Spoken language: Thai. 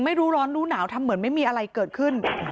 ไม่รู้ร้อนรู้หนาวทำเหมือนไม่มีอะไรเกิดขึ้น